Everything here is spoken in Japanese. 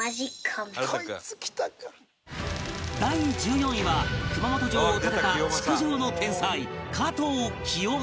第１４位は熊本城を建てた築城の天才加藤清正